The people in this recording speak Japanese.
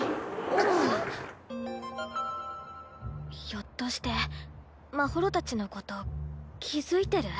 ひょっとしてまほろたちのこと気付いてる？